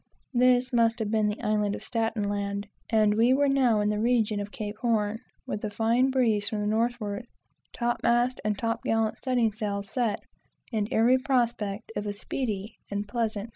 This must have been the island of Staten Land; and we were now in the region of Cape Horn, with a fine breeze from the northward, top mast and top gallant studding sails set, and every prospect of a speedy and pleasant passage round.